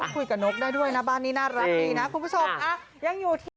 คุยกับนกได้ด้วยนะบ้านนี้น่ารักดีนะคุณผู้ชมยังอยู่ที่